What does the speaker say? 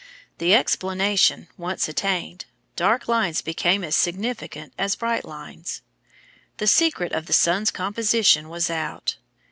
The explanation once attained, dark lines became as significant as bright lines. The secret of the sun's composition was out.